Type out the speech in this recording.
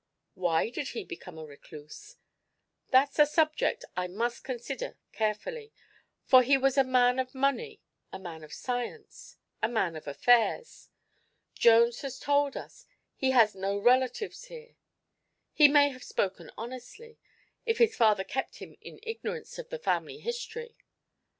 Why did he become a recluse? That's a subject I must consider carefully, for he was a man of money, a man of science, a man of affairs. Jones has told us he has no relatives here. He may have spoken honestly, if his father kept him in ignorance of the family history.